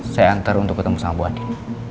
saya kembali sekarang untuk ketemu sama bu adin